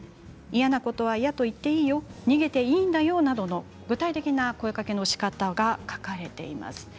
嫌なことは嫌と言っていいよ逃げていいんだよなどの具体的な声かけのしかたが書かれています。